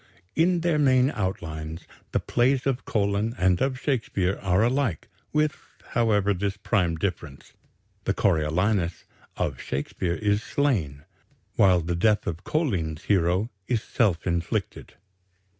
In their main outlines, the plays of Collin and of Shakespeare are alike, with, however, this prime difference the Coriolanus of Shakespeare is slain, while the death of Collin's hero is self inflicted.